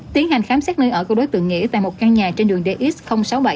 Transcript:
tiến hành khám xét nơi ở của đối tượng nghỉ tại một căn nhà trên đường dx sáu mươi bảy